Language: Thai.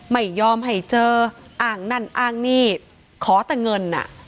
ไม่ยอมให้เจออ้างนั่นอ้างนี่ขอแต่เงินอ่ะ